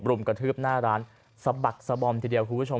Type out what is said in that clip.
รุมกระทืบหน้าร้านสะบักสะบอมทีเดียวคุณผู้ชม